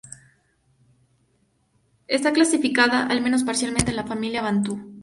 Está clasificada, al menos parcialmente, en la familia bantú.